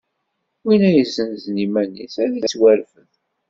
Win ara yessanzen iman-is ad ittwarfed.